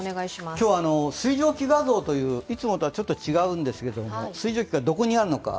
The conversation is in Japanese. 今日、水蒸気画像といういつもと違うんですけれども、水蒸気がどこにあるのか。